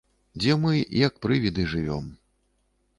Дзе мы, як прывіды, жывём.